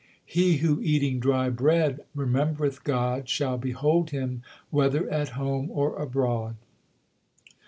He who eating dry bread remembereth God, Shall behold Him whether at home or abroad.